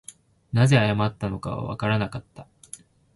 何故謝ったのかはわからなかった